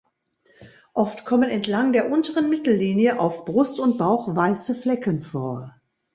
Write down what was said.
Oft kommen entlang der unteren Mittellinie auf Brust und Bauch weiße Flecken vor.